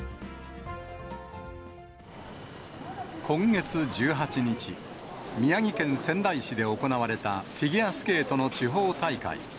今月１８日、宮城県仙台市で行われた、フィギュアスケートの地方大会。